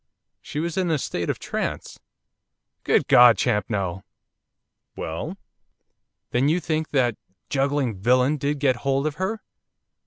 'She was in a state of trance.' 'Good God! Champnell!' 'Well?' 'Then you think that juggling villain did get hold of her?